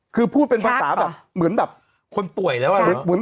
คือพูดเป็นภาษาแบบเหมือนแบบคนป่วยแล้วอะวุ้น